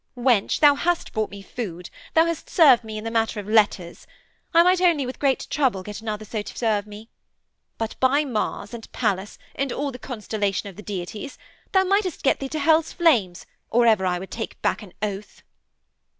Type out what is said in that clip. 'Wench, thou hast brought me food: thou hast served me in the matter of letters. I might only with great trouble get another so to serve me. But, by Mars and Pallas and all the constellation of the deities, thou mightest get thee to Hell's flames or ever I would take back an oath.'